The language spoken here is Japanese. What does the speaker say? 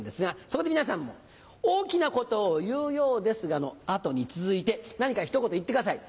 そこで皆さんも「大きなことを言うようですが」の後に続いて何かひと言言ってください。